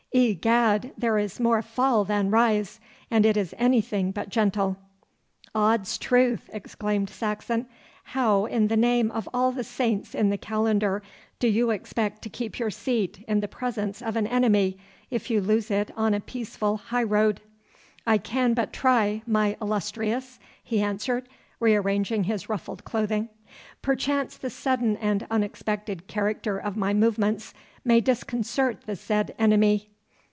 Egad, there is more fall than rise, and it is anything but gentle.' 'Odd's truth!' exclaimed Saxon. 'How in the name of all the saints in the calendar do you expect to keep your seat in the presence of an enemy if you lose it on a peaceful high road?' 'I can but try, my illustrious,' he answered, rearranging his ruffled clothing. 'Perchance the sudden and unexpected character of my movements may disconcert the said enemy.